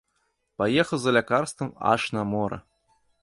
Паехаў за лякарствам аж на мора.